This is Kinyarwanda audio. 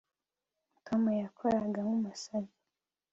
tom yakoraga nk'umusazi